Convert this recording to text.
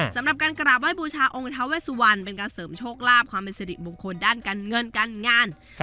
สำหรับการกราบไห้บูชาองค์ท้าเวสุวรรณเป็นการเสริมโชคลาภความเป็นสิริมงคลด้านการเงินการงาน